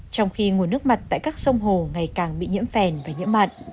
trong khi nguồn nước mặt tại các sông hồ ngày càng bị nhiễm phèn và nhiễm mặn